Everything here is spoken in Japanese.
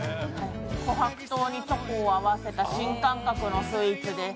琥珀糖にチョコを合わせた新感覚のスイーツです